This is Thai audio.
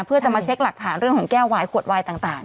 เพื่อจะมาเช็คหลักฐานเรื่องของแก้ววายขวดวายต่าง